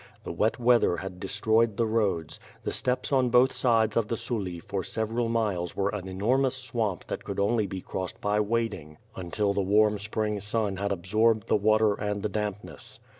The wet weather had destroyed the roads; the steppes on both sides of the Suly for several miles were an enormous swamp that could only be crossed by wading, until the warm spring sun had absorbed the water and the damp ness.